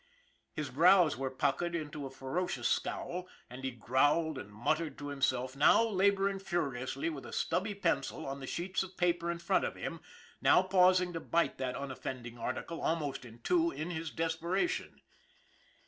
His brows were puckered into a ferocious scowl, and he growled and muttered to him self, now laboring furiously with a stubby pencil on the sheets of paper in front of him, now pausing to bite that unoffending article almost in two in his desperation.